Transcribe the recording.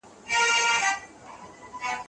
دوی د بشري حقونو ساتنه کوله.